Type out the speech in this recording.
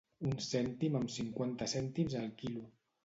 Un cèntim amb cinquanta cèntims el quilo.